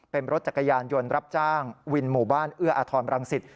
เป็นรถจักรยานยนต์รับจ้างวินหมู่บ้านเอื้ออาทรบรังสิต